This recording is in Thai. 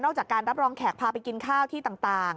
จากการรับรองแขกพาไปกินข้าวที่ต่าง